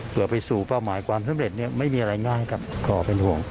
เพื่อไปสู่เป้าหมายความสำเร็จเนี่ยไม่มีอะไรง่ายครับขอเป็นห่วง